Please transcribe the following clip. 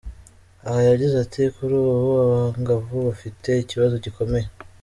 Aha yagize ati: “kuri ubu abangavu bafite ikibazo gikomeye.